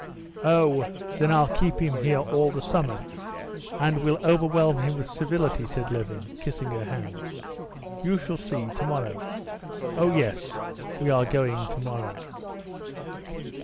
"Oh, then I'll keep him here all the summer, and will overwhelm him with civility," said Levin, kissing her hands. "You shall see. Tomorrow.... Oh, yes, we are going tomorrow."